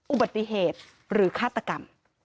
อุบัติเหตุหรือฆาตกรรม